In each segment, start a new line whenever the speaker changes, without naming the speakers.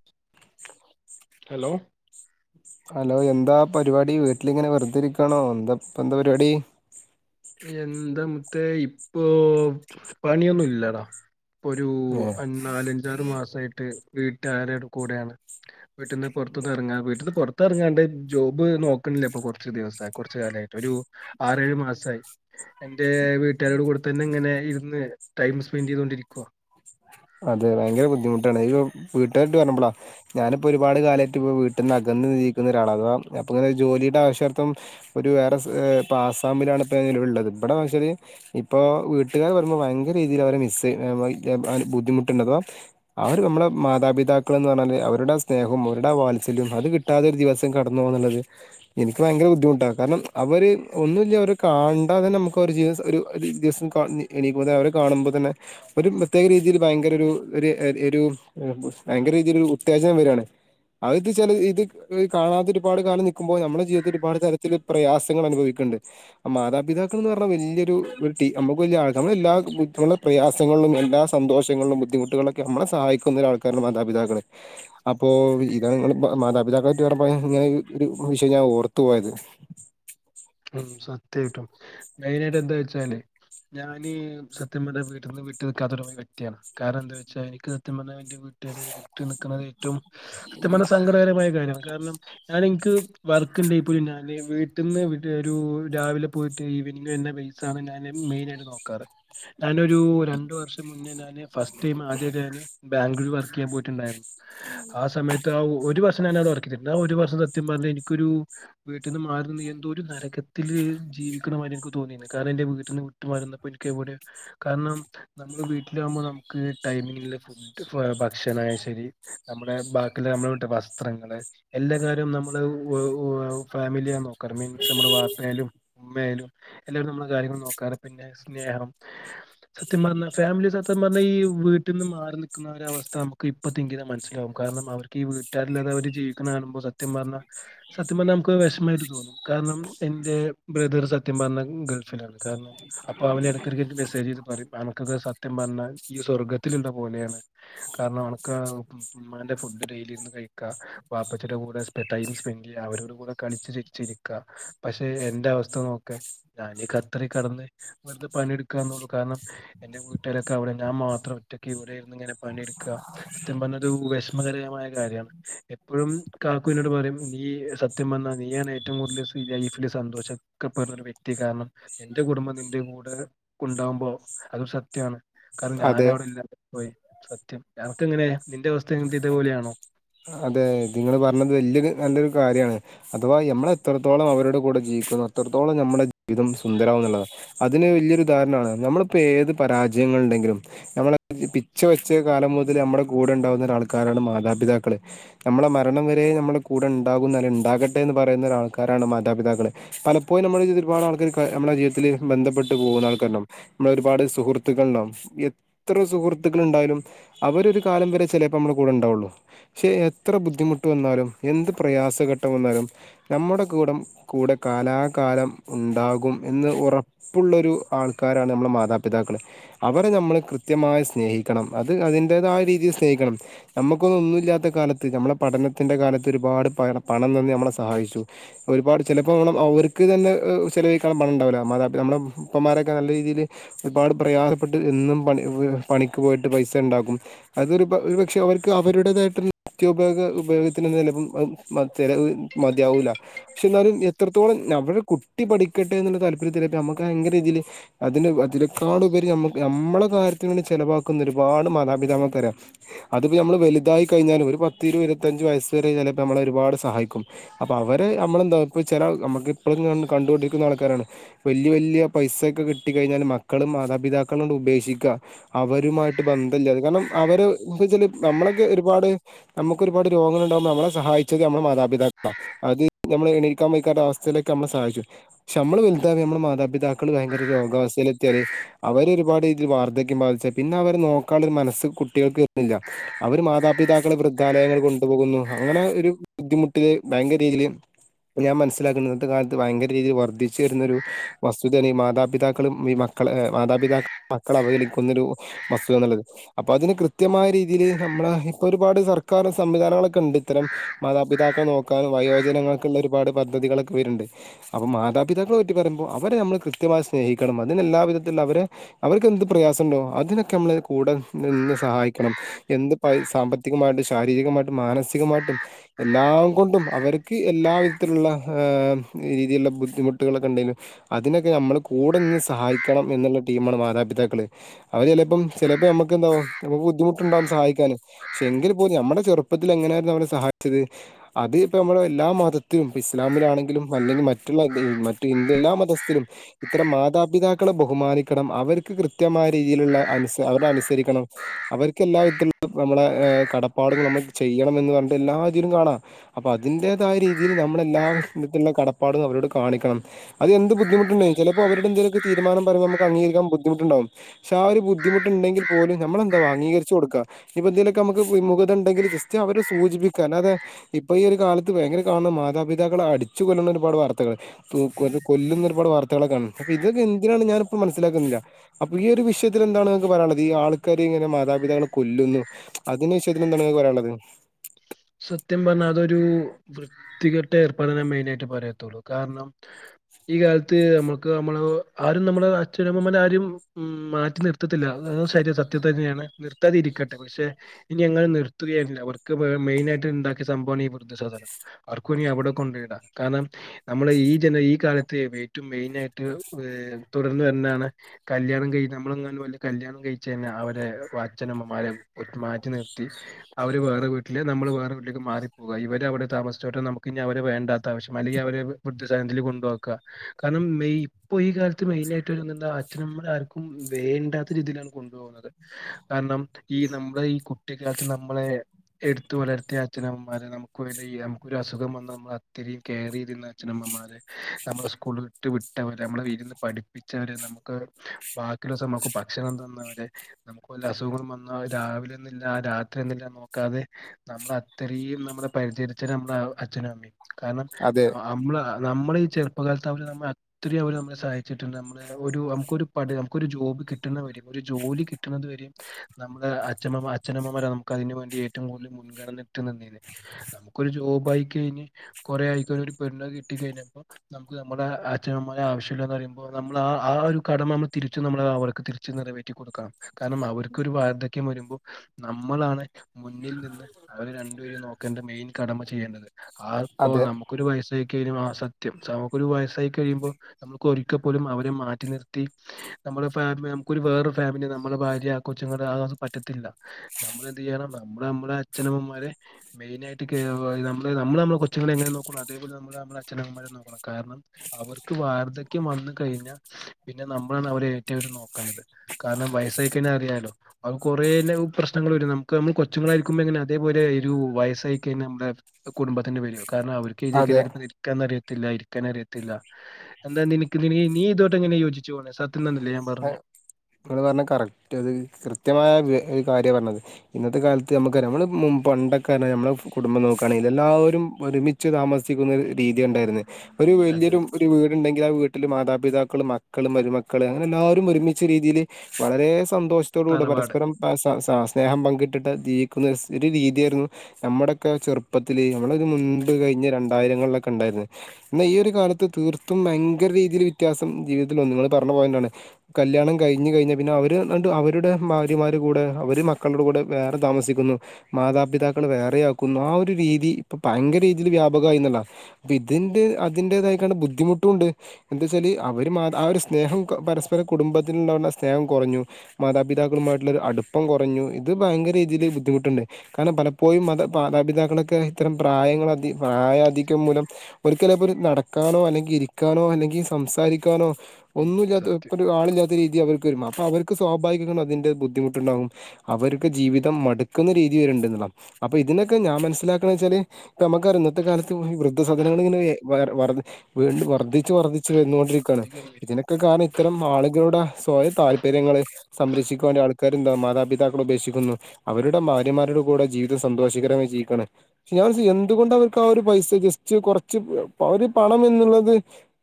[inaudible]
Hello
hello എന്താ പരിപാടി വീട്ടിലിങ്ങനെ വെറുതെരിക്കാണോ എന്താ എന്താ പരിപാടി?
എന്താ മുത്തേ ഇപ്പോ പണിയൊന്നുല്ലടാ ഇപ്പൊരു
ഏഹ്
നാലഞ്ചാറ് മാസയിട്ട് വീട്ട്കാര്ടെ കൂടെയാണ് വീട്ടിന്ന് പൊറത്തൊന്നെറങ്ങ വീട്ടിന്ന് പൊറത്ത് എറങ്ങണ്ട് ജോബ് നോക്കണില്ലപ്പൊ കൊറച്ച് ദിവസ കൊറച്ച് കാലായി ഒരു ആറേഴ് മാസായി എന്റെ വീട്ട്കാരുടെ കൂടെ തന്നെ ഇങ്ങനെ ഇരുന്ന് ടൈം സ്പെൻഡ് ചെയ്തൊണ്ടിരിക്കുവ
അതെ വയങ്കര ബുദ്ധിമുട്ടാണ് ഈ വീട്ടുകാര്ടെ പറഞ്ഞപ്പളാ ഞാനിപ്പോ ഒരുപാട് കാലായിട്ട് ഇപ്പോ വീട്ടിന്ന് അകന്ന് ജീവിക്കുന്ന ഒരാളാ അപ്പം ഇങ്ങനെ ജോലിടെ ആവശ്യാർത്തം ഒരു വേറെ ഇപ്പൊ ആസാമിലാണ് ഇപ്പ ഞാൻ നിലവില്ള്ളത് ഇവിടെ വെച്ചാല് ഇപ്പൊ വീട്ട്കാര് വരുമ്പോ ഭയങ്കര രീതില് അവരെ മിസ് അവ അ ബുദ്ധിമുട്ട്ണ്ട് അപ്പൊ അവര് നമ്മളെ മാതാപിതാക്കളെന്ന് പറഞ്ഞാല് അവരുടെ സ്നേഹോം അവരുടാ വാത്സല്യോം അത് കി ട്ടാതൊരു ദിവസം കടന്നു പോവാന്ന്ള്ളത് എനിക്ക് ഭയങ്കര ബുദ്ധിമുട്ടാ കാരണം അവര് ഒന്നുല്ല്യ അവരെ കാണ്ടാതന്നെ നമ്മക്ക് ഒരു ജീവസം ഒരു ദിവസം പ്പ നീ എണീക്കുമ്പ തന്നെ അവരെ കാണുമ്പതന്നെ ഒരു പ്രത്യേക രീതില് ഭയങ്കരൊരു ഒരു ഒരു ഭയങ്കര രീതിലൊരു ഉത്തേജകം വരാണ് അയെന്തച്ചാല് ഇത് കാണാതൊരുപാട് കാലം നിക്കുമ്പോ ഞമ്മളെ ജീവിതത്തില് ഒരുപാട് തരത്തില് പ്രയാസങ്ങൾ അനുഭവിക്ക്ണ്ട് മാതാപിതാക്കളെന്ന് പറഞ്ഞാ വല്യൊരുഒരു ടി നമ്മക്ക് വല്യ ആഹ് നമ്മളെ എല്ലാ ബുദ്ധി പ്രയാസങ്ങളും എല്ലാ സന്തോഷ യാസങ്ങളിലും ബുദ്ധിമുട്ടുകളിലൊക്കെ നമ്മളെ സഹായിക്കുന്നൊരാൾക്കാരാണ് മാതാപിതാക്കള് അപ്പൊ ഇതാണ് ഇങ്ങള് മാതാപിതാക്കളെ പറ്റി പറഞ്ഞപ്പോ ഇങ്ങനരു ഒരു വിഷയം ഞാൻ ഓർത്തു പോയത്
ഉം സത്യായിട്ടും മെയിനായിട്ട് എന്താ വെച്ചാല് ഞാന് സത്യം പറഞ്ഞ വീട്ടിന്ന് വിട്ട് നിക്കാത്തൊരു വ്യക്തിയാണ് കാരണം എന്താ വെച്ചാ എനിക്ക് സത്യം പറഞ്ഞ എന്റെ വീട്ട്കാരെ വിട്ട് നിക്കണത് ഏറ്റവും സത്യം പറഞ്ഞ സങ്കടകരമായ കാര്യാണ് കാരണം ഞാനിൻക്ക് വർക്ക്ണ്ടേപ്പോലും ഞാന് വീട്ടിന്ന് വിട്ട് ഒരു രാവിലെ പോയിട്ട് ഈവനിങ് വര്ണ വെയ്സാണ് ഞാന് മെയിനായിട്ട് നോക്കാറ് ഞാനൊരു രണ്ടു വർഷം മുന്നേ ഞാ ന് ഫസ്റ്റ് ടൈം ആദ്യായിട്ട് ഞാന് ബാംഗ്ലൂര് വർക്കെയ്യാൻ പോയിട്ട്ണ്ടായിരുന്നു ആഹ് സമയത്ത് ആഹ് ഒരു വർഷം ഞാനവിടെ വർക്കേയ്തിട്ടുണ്ട് ആഹ് ഒരു വർഷം സത്യം പറഞ്ഞ എനിക്കൊരു വീട്ടിന്ന് മാറിന്ന് ഞാൻ എന്തോരു നരകത്തില് ജീവിക്കണമാരിയ ഇൻക്ക് തോന്നിന്ന് കാരണം എന്റെ വീട്ടിന്ന് വിട്ട് മാറിന്നപ്പോ എനിക്ക് എവിടെയൊ കാരണം നമ്മള് വീട്ടിലാകുമ്പോ നമുക്ക് ടൈമിങ്നുള്ള ഫുഡ് ഭക്ഷണായ ശരി നമ്മടെ ബാക്കിള്ള നമ്മള വിട്ട വസ്ത്രങ്ങള് എല്ലാ കാര്യോം നമ്മള് ഓഹ് ഫാമിലിയാ നോക്ക ക്കാറ് മീൻസ് നമ്മടെ വാപ്പായലും ഉമ്മയലും എല്ലാവരും നമ്മളെ കാര്യങ്ങള് നോക്കാറ് പിന്നെ സ്നേഹം സത്യം പറഞ്ഞാ ഫാമിലി സത്യം പറഞ്ഞ ഈ വീട്ടിന്ന് മാറി നിക്കുന്ന ആഹ് ഒരവസ്ഥ നമുക്ക് ഇപ്പ തിങ്ഗെയ്ത മനസ്സിലാവും കാരണം അവർക്കി വീട്ടുകാരില്ലാതെ അവര് ജീവിക്ക്ണെ കാണുമ്പോ സത്യം പറഞ്ഞ സത്യം പറഞ്ഞ നമ്മക്ക് വെഷമായിട്ട് തോന്നും കാരണം എന്റെ ബ്രദറ് സത്യം പറഞ്ഞ ഗൾഫിലാണ് കാരണം അപ്പൊ അവന് എടക്കെടക്ക് ഇൻക് മെസ്സേജെയ്ത് പറയും അനക്കൊക്കെ സത്യം പറഞ്ഞ ഈ സ്വർഗത്തിലുള്ള പോലെയാണ് കാരണം അനക്ക് ഇമ്മാന്റെ ഫുഡ് ഡെയിലി ഇര്ന്ന് കഴിക്കാ വാപ്പച്ചിടെ കൂടെ സ്‌പെ ടൈം സ്പെന്റെയ്യ അവര്ടെ കൂടെ കളിച്ച് ചിരിച്ചിരി ക്ക പക്ഷെ എന്റെ അവസ്ഥ നോക്ക് ഞാനീ ഖത്തറി കടന്ന് വെറ്തെ പണിയെട്ക്കാന്നൊള്ളൂ കാരണം എന്റെ വീട്ടാരൊക്കെ അവിടെ ഞാൻ മാത്രം ഒറ്റയ്ക്ക് ഇവിടെ ഇരുന്നിങ്ങനെ പണിയെടുക്ക സത്യം പറഞ്ഞൊരു വിഷമകരമായ കാര്യാണ് എപ്പഴും കാക്കുന്നോട് പറയും നീ സത്യം പറഞ്ഞ നീയാണെ റ്റവും കൂടുതല് സി ലൈഫില് സന്തോഷിക്കപ്പെടുന്ന ഒരു വ്യക്തി കാരണം എന്റെ കുടുംബം നിന്റെ കൂടെ ഉണ്ടാവുമ്പോ അതൊരു സത്യാണ് കാരണം
അതെ
ഞാനവിടെ ഇല്ലാതെ പോയി സത്യം അനക്കെങ്ങനെയ നിന്റെ അവസ്തേം ഇതേപോലെയാണോ
അതെ ഇതിങ്ങള് പറഞ്ഞത് വല്യൊരു നല്ലൊരു കാര്യാണ് അഥവാ ഞമ്മള് എത്രത്തോളം അവരുടെ കൂടെ ജീവിക്കുന്നോ അത്രത്തോളം ഞമ്മടെ ജീവിതം സുന്ദരമാവും ന്നുള്ളതാ അതിന് വല്യാെരു ഉദാഹരണാണ് നമ്മളിപ്പ ഏത് പരാജയങ്ങള് ഇണ്ടെങ്കിലും നമ്മളെ പിച്ച വെച്ചെ കാലം മുതല് നമ്മടെ കൂടെ ഉണ്ടാവുന്ന ഒരാ ൾക്കാരാണ് മാതാപിതാക്കള് നമ്മളെ മരണം വരെ നമ്മള് കൂടെ ഇണ്ടാകുന്ന അല്ല ഇണ്ടാകട്ടെ എന്ന് പറയുന്നര ആൾക്കാരാണ് മാതാപിതാക്കള് പലപ്പോഴും നമ്മുടെ ജീവിതത്തില് ഒരുപാട് ആൾക്കാര് നമ്മളെ ജീവിതത്തില് ബന്ധപ്പെട്ട് പോകുന്ന ആൾക്കാര്ണ്ടാവും നമ്മളെ ഒരുപാട് സുഹൃത്തുക്കള് ഉണ്ടാകും എത്ര സുഹൃത്തുക്കൾ ഉണ്ടായാലും അവര് ഒരു കാലം വരെ ചെലേപ്പം നമ്മുടെ കൂടെ ഉണ്ടാവൊള്ളൂ പക്ഷെ എത്ര ബുദ്ധിമുട്ട് വന്നാലും എന്ത് പ്രയാസഘട്ടം എന്നാലും നമ്മുടെ കൂടം കൂടെ കാലാകാലം ഉണ്ടാകും എന്ന് ഉറ പ്പുള്ളൊരു ആൾക്കാരാണ് നമ്മളെ മാതാപിതാക്കള്. അവരെ ഞമ്മള് കൃത്യമായി സ്നേഹിക്കണം അത് അതിന്റേതായ രീതിയിൽ സ്നേഹിക്കണം. നമ്മക്കൊന്നു ഒന്നുല്ലാത്ത കാലത്ത് നമ്മളെ പഠനത്തിന്റെ കാലത്ത് ഒരുപാട് പ പണം തന്ന് നമ്മളെ സഹായിച്ചു. ഒരുപാട് ചെലപ്പോ ഓണം അവർക്ക് തന്നെ ചെലവഴിക്കാന്ള്ള പണണ്ടാവുല മാതാപിതാ നമ്മടെ ഉപ്പന്മാരൊക്കെ നല്ല രീതിയില്. ഒരുപാട് പ്രയാസപ്പെട്ട് എന്നും പണി പണിക്ക് പോയിട്ട് പൈസ ഇണ്ടാക്കും. അതൊരു പ ഒരു പക്ഷെ അവർക്ക് അവരുടേതായിട്ട് നിത്യുപയോഗ ഉപയോഗത്തിന് നിലും അത് ചെലവ് മത്യാവുല. പക്ഷെ ഇന്നാലും എത്രത്തോളം നവിടെ കുട്ടി പഠിക്കട്ടെന്നുള്ള താല്പര്യത്തിലെക്ക് നമുക്ക് ഭയങ്കര ഇതില്. അതിന് അതിനേക്കാളുപരി ഞമ്മ ഞമ്മളെ കാര്യത്തിന് വേണ്ടി ചെലവാക്കുന്ന ഒരുപാട് മാതാപിതാക്ക [unintelligible] റ്യ അതിപ്പ ഞമ്മള് വലുതായി കയിഞ്ഞാലും ഒരു പത്തിരുപ ഇരുപത്തഞ്ചു വയസ്സ് വരെ ചെലേപ്പ നമ്മളെ ഒരുപാട് സഹായിക്കും. അപ്പൊ അവര് നമ്മളെന്താ ഇപ്പ ചെല നമ്മുക്ക് ഇപ്പളും ക കണ്ടൊണ്ടിരിക്കുന്ന ആൾക്കാരാണ്. വെല്ല്യ വെല്ല്യ പൈസക്കെ കിട്ടി കയിഞ്ഞാല് മക്കള് മാതാപിതാക്കളെങ്ങട് ഉപേക്ഷിക്ക. അവരുമായിട്ട് ബന്ധല്ല കാര്ണം അവര് എന്ത വെച്ചാല് നമ്മളൊക്കെ ഒരു. പാട് നമുക്കൊരുപാട് രോഗങ്ങള്ണ്ടാവുമ്പൊ നമ്മളെ സഹായിച്ചത് നമ്മുടെ മാതാപിതാക്കള. അത് നമ്മള് എണീക്കാൻ വെയ്ക്കാത്ത അവസ്ഥയിലൊക്കെ നമ്മളെ സഹായിച്ചു. പക്ഷ നമ്മള് വലുതവുമ്പ നമ്മളെ മാതാപിതാക്കള് ഭയങ്കര രോഗാവസ്ഥയിലെത്ത്യാല്. അവരൊരുപാട് രീതില് വാർദ്ധക്യം ബാധിച്ച പിന്നെ അവര് നോക്കാള്ളരു മനസ്സ് കുട്ടികൾക്ക് വര്ന്നില്ല. അവര് മാതാ പിതാക്കളെ വൃദ്ധാലയങ്ങൾ കൊണ്ടുപോകുന്നു അങ്ങനെ ഒരു ബുദ്ധിമുട്ടില് ഭയങ്കര രീതിയില്. ഞാൻ മനസ്സിലാക്കുന്നു ഇന്നത്തെ കാലത്ത് ഭയങ്കര രീതിയിൽ വർദ്ധിച്ചു വരുന്നരു വസ്തുതേണി ഈ മാതാപിതാക്കള് ഈ മക്കള് എ മാതാപിതാക്ക മക്കള അവഹേലിക്കുന്നൊരു. വസ്തുതന്ന്ള്ളത് അപ്പൊ അതിന് കൃത്യമായ രീതിയിയില് നമ്മളെ. ഒരുപാട് സർക്കാറ് സംവിധാനങ്ങളൊക്കെണ്ട് ഇത്തരം. മാതാപിതാക്കളെ നോക്കാനും വയോജനങ്ങൾക്കുള്ള ഒരുപാട് പദ്ധതികളൊക്കെ വര്ണ്ട്. അപ്പം മാതാപിതാക്കളെ പറ്റി പറയുമ്പൊ അവരെ നമ്മള് കൃത്യമായി സ്നേഹിക്കണം അതിനെല്ലാ വിധത്തില്ള്ള അവരെ. അവർക്ക് എന്ത് പ്രയാസണ്ടോ അതിനൊക്കെ ഞമ്മള് കൂടെ നിന്ന് സഹായിക്കണം എന്ത് പൈസ് സാമ്പത്തികമായിട്ടും ശാരീരികമായിട്ടും മാനസികമായിട്ടും. എല്ലാം കൊണ്ടും അവർക്ക് എല്ലാ വിധത്തിലുള്ള ഏ രീതിയിലുള്ള ബുദ്ധിമുട്ടുകളൊക്കെ ഉണ്ടെങ്കിലു അതിനൊക്കെ നമ്മള് കൂടെ നിന്ന് സഹായിക്കണം എന്നുള്ള ടീമാണ് മാതാപിതാക്കള്. അവര് ചെലെപ്പം ചെലേപ്പ ഞമ്മക്ക് എന്താവും നമ്മുക്ക് ബുദ്ധിമുട്ട്ണ്ടാകും സഹായിക്കാന്. പക്ഷെ എങ്കിൽ പോലും നമ്മടെ ചെറുപ്പത്തിൽ എങ്ങനെയായിരുന്നു അവര് സഹായിച്ചത്. അത് ഇപ്പ നമ്മുടെ എല്ലാ മതത്തിലും ഇപ്പ ഇസ്ലാമിലാണെങ്കിലും അല്ലെങ്കിൽ മറ്റുള്ള ദൈ മറ്റു ഹിന്ദു എല്ലാ മതസ്ത്തിലും. ഇത്തരം മാതാപിതാക്കളെ ബഹുമാനിക്കണം അവർക്ക് കൃത്യമായ രീതിയിലുള്ള അനുസ അവരെ അനുസരിക്കണം. അവർക്ക് എല്ലാ വിധത്തിലും നമ്മളെ കടപ്പാടും നമ്മൾ ചെയ്യണം എന്ന് പറഞ്ഞ്ട്ട് എല്ലാ ഇതിലും കാണാ. അപ്പൊ അതിന്റേതായ രീതിയില് നമ്മളെല്ലാ വെശ്മത്തിലുള്ള കടപ്പാടും അവരോട് കാണിക്കണം. അത് എന്ത് ബദ്ധിമുട്ട്ണ്ടെ [unintelligible] ചെലപ്പോ അവരുടെ എന്തെലൊക്കെ തീരുമാനം പറയുമ്പ നമുക്ക് അംഗീകരിക്കാ ബുദ്ധിമുട്ട്ണ്ടാവും. പക്ഷെ ആ ഒരു ബുദ്ധിമുട്ട് ഇണ്ടെങ്കിൽ പോലും നമ്മളെന്താ അംഗീകരിച്ച് കൊടുക്ക ഇഞ്പ്പെന്തെ ക്കെ നമുക്ക് വിമുഖത ഇണ്ടെങ്കില് ജസ്റ്റ് അവരെ സൂചിപ്പിക്കാ അല്ലാതെ. ഇപ്പൊ ഈ ഒരു കാലത്ത് ഭയങ്കര കാണുന്ന മാതാപിതാക്കളെ അടിച്ചു കൊല്ലുന്ന ഒരുപാട് വാർത്തകള്. തു കൊല കൊല്ലുന്ന ഒരുപാട് വാർത്തകളൊക്കേണ് അപ്പൊ ഇതൊക്കെ എന്തിനാണ് ഞാനിപ്പം മനസ്സിലാക്കുന്നില്ല. അപ്പൊ ഈ ഒരു വിഷയത്തില് എന്താണ് നിങ്ങക്ക് പറയാൻള്ളത് ഈ ആൾക്കാര് ഇങ്ങനെ മാതാപിതാക്കളെ കൊല്ല്ന്നു. അതിന് വിഷയത്തിലും എന്താണ് ഇങക് പറയാന്ള്ളത്.
സത്യം പറഞ്ഞാ അതൊരു വൃത്തികെട്ട ഏർപ്പാട് ഞാൻ മെയിനായിട്ട് പറയത്തുള്ളൂ കാരണം. ഈ കാലത്ത് നമ്മുക്ക് നമ്മള് ആരും നമ്മള അച്ഛന അമ്മമാര്ടെ ആരും. ഉം മാറ്റി നിർത്തത്തില്ല അത് ശരിയാ സത്യം തന്നെയാണ് നിർത്താതെ ഇരിക്കട്ടെ പക്ഷെ ഇനി എങ്ങാനും നിർത്തുകയാണെ അവർക്ക് വേ മെയിനായിട്ട് ഇണ്ടാക്കിയ സംഭവാണ് ഈ വൃദ്ധസദനം ആർക്കും ഇനി അവിടെ കൊണ്ടോ ഇടാം കാരണം നമ്മള് ഈ ജന ഈ കാലത്ത് ഏറ്റവും മെയിനായിട്ട് ഏ തുടർന്ന് വര്ന്നാണ് കല്യാണം കഴിഞ്ഞാ നമ്മളെങ്ങാനും വെല്ല കല്യാണം കഴിച്ചഴിഞ്ഞാ അവരെ ഇപ്പ അച്ഛനമ്മമാരെ [unintelligible] മാറ്റി നിർത്തി അവര് വേറെ വീ ട്ടില് നമ്മള് വേറെ വീട്ടിലേക്ക് മാറി പോവാ ഇവര് അവിടെ താമസിച്ചോട്ടെ നമുക്ക് ഇനി അവരെ വേണ്ടാത്ത ആവശ്യം അല്ലെങ്കിൽ അവര് വൃദ്ധസദനത്തില് കൊണ്ടാക്കാ കാരണം മെയ് ഇപ്പൊ ഈ കാലത്ത് മെയിനായിട്ട് വര്ന്നന്നെന്താ അച്ഛനമ്മമാരെ ആർക്കും വേണ്ടാത്ത രീതിയിലാണ് കൊണ്ടോ കുന്നത് കാരണം ഈ നമ്മളെ ഈ കുട്ടിക്കാലത്ത് നമ്മളെ എട്ത്തു വളർത്തിയ അച്ഛനമ്മമാരെ നമുക്ക് വേണ്ടി നമുക്കൊര് അസുഖം വന്നാ നമ്മളെ അത്രേയും കെയറെയ്തിരുന്ന അച്ഛനമ്മമാരെ നമ്മള് സ്കൂള് വിട്ട് വിട്ടവരെ നമ്മളെ ഇരുന്ന് പഠിപ്പിച്ചവരെ നമുക്കൊര് ബാ [unintelligible] നമുക്ക് ഭക്ഷണം തന്നവരെ നമുക്ക് വല്ല അസുഖങ്ങളും വന്നാ രാവിലെന്നുല്ല രാത്രിയൊന്നുല്ല നോക്കാതെ നമ്മളെ അത്രേയും നമ്മളെ പരിചരിച്ചോര് നമ്മളെ അച്ഛനും അമ്മീം കാരണം
അതെ
നമ്മള് നമ്മളെ ഈ ചെറുപ്പകാലത്ത് അവര് നമ്മളെ അത്രേയും അവര് നമ്മള് സഹായിച്ചിട്ട്ണ്ട് നമ്മള് ഒരു നമുക്കൊരു പണി നമുക്കൊരു ജോബ് കിട്ട്ണത് വെരീം ഒരു ജോലി കിട്ട്ന്നത് വെരീം നമ്മുടെ അച്ചമ്മ അച്ഛനമ്മമാരാ നമുക്ക് അതിന് വേണ്ടി ഏറ്റവും കൂടുതൽ മുൻഗണന ഇട്ട് നിന്നീന്യേ നമുക്കൊരു ജോബായിയി കഴിഞ്ഞ് കൊറെ ആയിട്ടൊര് പെണ്ണോക്കെ കിട്ടി കഴിഞ്ഞപ്പൊ നമുക്ക് നമ്മുടെ അച്ഛനമ്മമാരെ ആവശ്യല്ലന്ന് പറയ്മ്പോ നമ്മള് ആ ആ ഒരു കടമ നമ്മള് തിരിച്ചു നമ്മള് അവർക്ക് തിരി ച്ച് നിറവേറ്റി കൊട്ക്കണം കാരണം അവർക്കൊർ വാർദ്ധക്യം വരുമ്പോ നമ്മളാണ് മുന്നിൽ നിന്ന് അവര് രണ്ടുപേരും നോക്കേണ്ട മെയിൻ കടമ ചെയ്യേണ്ടത് അത്പ്പോ
അതെ
നമു ക്കൊരു വയസ്സായി കഴിഞ്ഞും ആ സത്യം നമുക്കൊരു വയസ്സായി കഴിയ്മ്പോ നമ്മുക്ക് ഒരിക്ക പോലും അവരെ മാറ്റി നിർത്തി നമ്മുടെ ഫാമിലി നമുക്കൊരു വേറെ ഫാമിലി നമ്മളുടെ ഭാര്യ കൊച്ചുങ്ങള് അതൊന്നും പറ്റത്തില്ല നമ്മള് എന്തെയ്യണം നമ്മള് നമ്മളെ അച്ഛനമ്മമാരെ മെയിനായിട്ട് കെ നമ്മള് നമ്മളെ കൊച്ച്ങ്ങളെ എങ്ങനെ നോക്ക്ന്നു അതേപോലെ നമ്മള് നമ്മളെ അച്ഛനമ്മമാരെ നോ കാരണം അവർക്ക് വാർദ്ധക്യം വന്ന് കഴിഞ്ഞാ പിന്നെ നമ്മളാണ് അവരെ ഏറ്റു ആയിട്ട് നോക്കേണ്ടത് കാരണം വയസ്സായി കഴിഞ്ഞാ അറിയാലോ അത് കൊറേ പ്രശ്നങ്ങള് വരും നമുക്ക് നമ്മള് കൊ കൊച്ച്ങ്ങളായിരിക്കുമ്പോ എങ്ങനെ അതെപോലെ ഒര് വയസ്സായി കഴിഞ്ഞ നമ്മളെ കുടുംത്തിന്റെ [unintelligible] കാരണം അവർക്ക്
അതെ
[unintelligible] ഇരിക്കാനറിയത്തില്ല ഇരിക്കാൻ അറിയത്തില്ല എന്താ നിനക്ക് നീ ഇതോട്ടെങ്ങനെ യോജിച്ച് പോവ്ണേ സത്യം തന്നെല്ലേ ഞാൻ പറഞ്ഞെ
ഇങ്ങള് പറഞ്ഞ കറക്റ്റ് അത് കൃത്യമായ ഒര് കാര്യാ പറഞ്ഞത് ഇന്നത്തെ കാലത്ത് നമുക്കറിയ നമ്മള് പണ്ടൊക്കെ പറഞ്ഞാ നമ്മളെ കുടുംബം നോക്കാണേല് എല്ലാവരും ഒരുമി ച്ച് താമസിക്കുന്ന ഒര് രീതി ഇണ്ടായിര്ന്നെ ഒരു
അതെ
വലിയൊരു
അതെ
ഒരു വീട്ണ്ടെങ്കി ആ വീട്ടില് മാതാപിതാക്കള് മക്കളും മരുമക്കൾ അങ്ങനെ എല്ലാവരും ഒരുമിച്ച് രീതീല് വളരെ സന്തോഷത്തോട് കൂടെ
തറവാട്
പരസ്പരം സ സ സ്നേഹം പങ്കിട്ടിട്ട് ജീവിക്കുന്ന ഒര് രീതിയായിരുന്നു നമ്മുടെക്കെ ചെറുപ്പത്തില് നമ്മളൊര് മുൻപ് കഴിഞ്ഞ രണ്ടായിരങ്ങളിലൊക്കെ ഇണ്ടായിരുന്നു എന്നാ ഈ ഒരു കാലത്ത് തീർത്തും ഭയങ്കര രീതിയിൽ വ്യത്യാസം ജീവിതത്തില് വന്നു ഇങ്ങള് പറഞ്ഞ പോയന്റാണ് കല്യാണം കഴിഞ്ഞ് കഴിഞ്ഞാ പിന്നെ അവര് ഇന്നെട്ട് അവര്ടെ ഭാര്യമാരുടെ കൂടെ അവര് മക്കളുടെ കൂടെ വേറെ താമസിക്കുന്നു മാതാപിതാക്കൾ വേറെയാക്കുന്നു ആ ഒരു രീതി ഇപ്പൊ ഭയങ്കര രീതീല് വ്യാപകായിന്ന്ള്ളാ ഇതിന്റെ അതിന്റേതായിക്കാണ്ട് ബുദ്ധിമുട്ടുണ്ട് എന്താച്ചാല് അവര് മാ ആ ഒരു സ്നേഹം പരസ്പരം കുടുംബത്തില്ണ്ടാവ്ന്ന സ്നേഹം കൊറഞ്ഞു മാതാപിതാക്കളുമായിട്ടുള്ളൊരു അടുപ്പം കുറഞ്ഞു ഇത് ഭയങ്കര രീതിയില് ബുദ്ധിമുട്ട്ണ്ട് കാര്ണം പലപ്പോഴും മത മാതാപിതാക്കളൊക്കെ ഇത്തരം പ്രായങ്ങൾ അധി പ്രായ അധികം മൂലം ഒരിക്കലപ്പൊ നടക്കാനോ അല്ലെങ്കി ഇരിക്കാനോ അല്ലെങ്കി സംസാരിക്കാനോ
ഉം,
ഒന്നുല്ലാത്ത
സത്യം
ആളില്ലാത്ത രീതി അവര്ക്ക് വരും അപ്പ അവര്ക്ക് സ്വാഭാവിക അതിന്റെ ബുദ്ധിമുട്ട്ണ്ടാകും അവര്ക്ക് ജീവിതം മട്ക്ക്ന്ന രീതി വര്ണ്ട്ന്ന്ള്ളാ അപ്പ ഇതിനൊക്കെ ഞാ മനസ്സിലാക്കണച്ചാല് പ്പമ്മക്കറിയാ ഇന്നത്തെ കാലത്ത് വൃദ്ധ സാദനങ്ങള് ങ്ങനെ വയർ വർ വീണ്ടു
അതെ
വർദ്ധിച്ചു വർദ്ധിച്ചു വന്നുകൊണ്ടിരിക്കാണ്.
അധികം വരും
ഇതിനൊക്കെ കാരണം ഇത്തരം ആള്കളുടെ സ്വയ താല്പര്യങ്ങള് സംരക്ഷിക്കാൻ വേണ്ടി ആൾക്കാര് ന്താ മാതാപിതാക്കളെ ഉപേക്ഷിക്കുന്നു അവരുടെ ഭാര്യമാരുടെ കൂടെ ജീവിതം സന്തോഷകരമായി ജീവിക്ക്യാണ് ഞാൻ [unintelligible] എന്തുകൊണ്ട് അവർക്ക് ആ ഒരു പൈസ ജസ്റ്റ് കൊറച്ച് ഒരു പണം എന്ന്ള്ളത്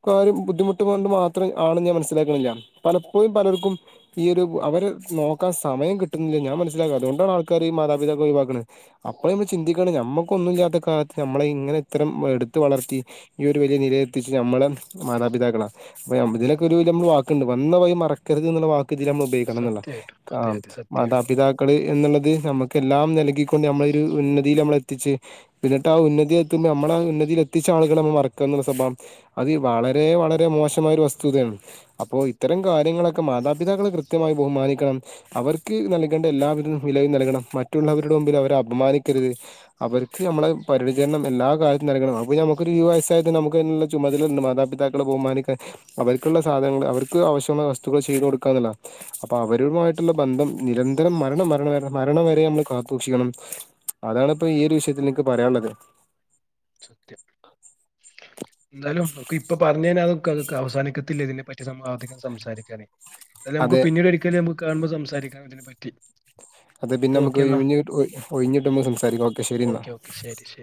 കാര്യം ബുദ്ധിമുട്ട് കൊണ്ട് മാത്രം ആണ്ന്ന് ഞാൻ മനസ്സിലാക്ക്ണില്ല്യ. പലപ്പോയും പലർക്കും ഈയൊര് അവരെ നോക്കാൻ സമയം കിട്ട്ന്നില്ല. ഞാൻ മനസ്സിലാക്ക അതോണ്ടാണ് ആൾക്കാര് ഈ മാതാപിതാക്കളെ ഒയിവാക്ക്ണ് അപ്പള് മ്മള് ചിന്തിക്കണം ഞമ്മക്കൊന്നുല്ല്യാത്ത കാലത്ത് നമ്മളെ ഇങ്ങനെ ഇത്രം എടുത്ത് വളർത്തി ഈ ഒരു വലിയ നില എത്തിച്ചെ നമ്മള മാതാപിതാക്കളാ അപ്പ ഇതിലൊക്കെരു ത് മ്മള് വാക്ക്ണ്ട്. വന്ന വയി മറക്കര്ത് ന്നുള്ള വാക്ക് ഇതിലമ്മളുപയോഗിക്കണംന്ന്ള്ളാ
സത്യമായിട്ടും
ആ
അതെ അതെ സത്യമായിട്ടും
മാതാപിതാ ക്കള് എന്ന്ള്ളത് നമ്മക്കെല്ലാം നൽകിക്കൊണ്ട് നമ്മള ഒരു ഉന്നതിയില് നമ്മളെത്തിച്ച് എന്നിട്ട് ആ ഉന്നതി എത്ത്മ്പ നമ്മളാ ഉന്നതിയിലെത്തിച്ച ആളുകളെ നമ്മ മറക്കന്നുള്ള സ്വഭാവം അത് വളരെ വളരെ മോശമായൊരു വസ്തുതയാണ് അപ്പോ ഇത്തരം കാര്യങ്ങളൊക്കെ മാതാപിതാക്കളെ കൃത്യമായി ബഹുമാനിക്കണം അവർക്ക് നൽകേണ്ട എല്ലാവിധ വിലയും നൽകണം. മറ്റുള്ളവരുടെ മുമ്പിലവരെ അപമാനിക്കര്ത് അവര്ക്ക് നമ്മള് പരിചരണം എല്ലാ കാലത്തും നൽകണം അപ്പ നമുക്കൊരു [unintelligible] വയസ്സായ തന്നെ നമുക്ക് ചുമതലണ്ട് മാതാപിതാക്കള ബഹുമാനിക്കാൻ അവര് ക്ക്ള്ള സാധനങ്ങൾ അവർക്ക് ആവശ്യമായ വസ്തുക്കൾ ചെയ്ത് കൊടുക്കാന്ന്ള്ള അപ്പ അവരുമായിട്ട്ള്ള ബന്ധം നിരന്തരം മരണം മരണവരെ മരണം വരെ നമ്മള് കാത്തൂക്ഷിക്കണം അതാണ്പ്പൊ ഈയൊരു വിഷയത്തില് നിക്ക് പറയാള്ളത്
സത്യം എന്താലും നമുക്ക് ഇപ്പൊ പറഞ്ഞയിഞ്ഞ അതൊക്കക്കവസാനിക്കത്തില്ല ഇതിനെ പറ്റി സം അധികം സംസാരിക്കാന് അത് നമുക്ക്
അതെ
പിന്നീടൊരിക്കല് നമുക്ക് കാണുമ്പോ സംസാരിക്കാം ഇതിനെ പറ്റി
അതെ
ഇപ്പൊ
പിന്നെ മ്മക്ക്
ഓക്കെ എന്നാ
ഒഴിഞ്ഞ ഒഴിഞ്ഞ്‌ട്ട്മ്പൊ സംസാരിക്കാം ഓക്കെ ശെരി ന്നാ
ഓക്കെ ശരി ശരി